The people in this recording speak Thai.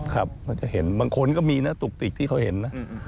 ครับเราจะเห็นบางคนก็มีนะตุกติกที่เขาเห็นนะ